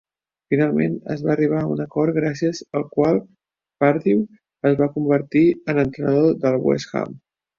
Finalment, es va arribar a un acord gràcies al qual Pardew es va convertir en entrenador del West Ham.